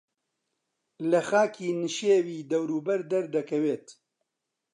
لە خاکی نشێوی دەوروبەر دەردەکەوێت